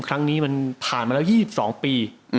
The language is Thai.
ครั้งนี้มันผ่านมาแล้ว๒๒ปี